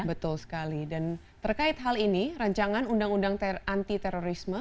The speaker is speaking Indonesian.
betul sekali dan terkait hal ini rancangan undang undang anti terorisme